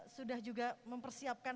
sudah juga mempersiapkan